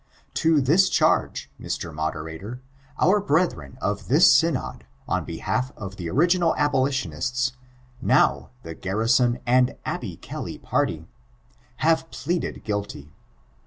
'' To this charge, Mr. Moderator, our brethren of this Synod, on behalf of the original abolitionists, now the Garrison and Abby Kelly party, have pleaded guilty.